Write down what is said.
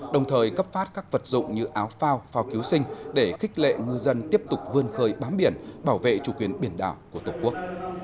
đồng thời cấp phát các vật dụng như áo phao phao cứu sinh để khích lệ ngư dân tiếp tục vươn khơi bám biển bảo vệ chủ quyền biển đảo của tổ quốc